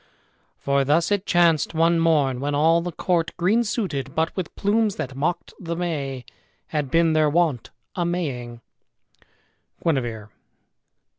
"For thus it chanced one morn when all the court, Green suited, but with plumes that mock'd the May, Had been, their wont, a maying" Guinevere.